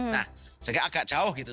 nah sehingga agak jauh gitu